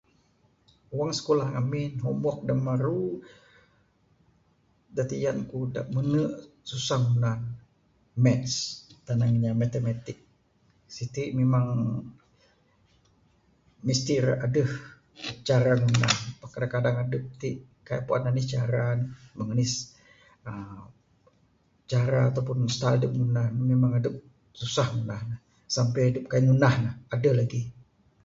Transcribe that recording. Wang sikulah ngamin homework da maru da tiyan ku da mene susah ngunah ne maths...tanang inya matematik...siti memang mesti ira adeh cara ngunah ne pak kadang kadang adep ti kaii puan meng anih cara ne...meng anh uhh cara ataupun style adep ngunah ne memang adep susah ngunah ne sampey adep kaii ngunah ne adeh lagih.